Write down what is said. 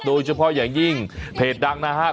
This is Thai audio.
โดยเฉพาะอย่างยิ่งเพจดังนะครับ